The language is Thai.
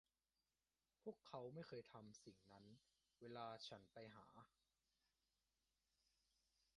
พวกเขาไม่เคยทำสิ่งนั้นเวลาฉันไปหา